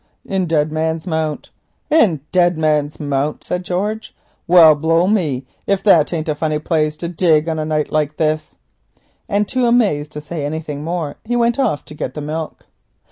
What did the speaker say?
In Dead Man's Mount!" "In Dead Man's Mount?" said George. "Well, blow me, if that ain't a funny place to dig at on a night like this," and, too amazed to say anything more, he went off to get the milk.